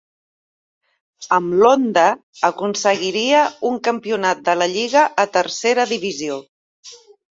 Amb l'Onda aconseguiria un campionat de la lliga a Tercera Divisió.